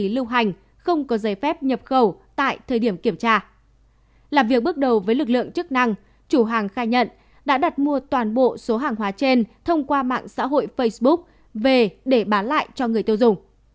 làm việc bước đầu với lực lượng chức năng chủ hàng khai nhận đã đặt mua toàn bộ số hàng hóa trên thông qua mạng xã hội facebook về để bán lại cho người tiêu dùng